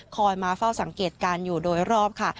มาเฝ้าสังเกตการณ์อยู่โดยรอบค่ะ